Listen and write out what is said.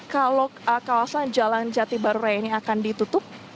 kalau kawasan jalan jati baru raya ini akan ditutup